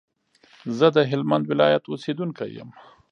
زه د هلمند ولايت اوسېدونکی يم